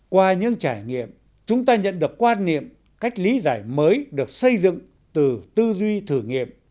qua những trải nghiệm chúng ta nhận được quan niệm cách lý giải mới được xây dựng từ tư duy thử nghiệm